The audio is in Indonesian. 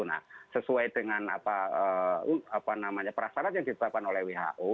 nah sesuai dengan apa namanya perasarat yang ditetapkan oleh who